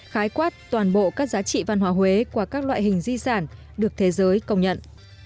khái quát toàn bộ các giá trị văn hóa huế qua các loại hình di sản được thế giới công nhận